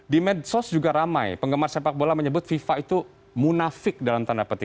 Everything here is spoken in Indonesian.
di medsos juga ramai penggemar sepak bola menyebut fifa itu munafik dalam tanda petik